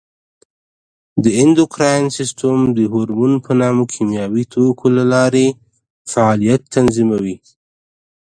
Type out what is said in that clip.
د اندوکراین سیستم د هورمون په نامه کیمیاوي توکو له لارې فعالیت تنظیموي.